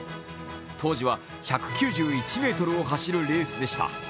当時は１９１ｍを走るレースでした。